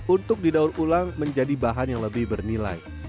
untuk didaur ulang menjadi bahan yang lebih bernilai